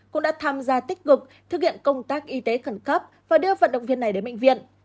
cũng đã tham gia tích cực thực hiện công tác y tế khẩn cấp và đưa vận động viên này đến bệnh viện